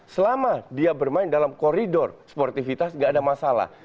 selama dia bermain dalam koridor sportivitas tidak ada masalah